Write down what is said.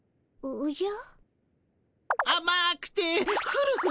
おじゃ。